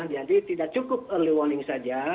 jadi tidak cukup awal awal saja